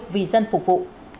vì dân phục vụ